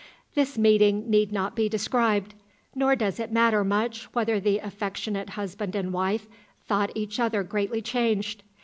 The meeting need not be described, nor does it matter much whether the affectionate husband and wife thought each other greatly changed.